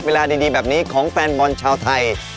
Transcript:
เวลาดีแบบนี้ของแฟนบอลชาวไทย